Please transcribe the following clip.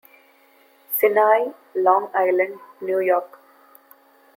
Sinai, Long Island, New York.